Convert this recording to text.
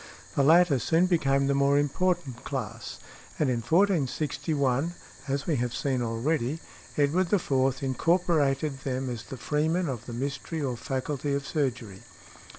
The latter soon became the more important class, and in 1461 (as we have seen already), Edward IV. incorporated them as "The Freeman of the Mystery or Faculty of Surgery."